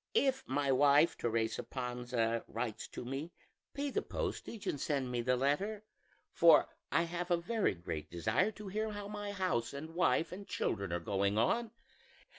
If my wife Teresa Panza writes to me, pay the postage and send me the letter, for I have a very great desire to hear how my house and wife and children are going on.